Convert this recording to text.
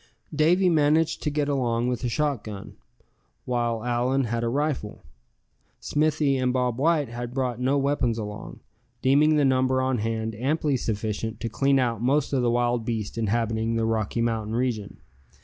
Davy managed to get along with a shotgun, while Allan had a rifle. Smithy and Bob White had brought no weapons along, deeming the number on hand amply sufficient to clean out most of the wild beasts inhabiting the Rocky Mountain region.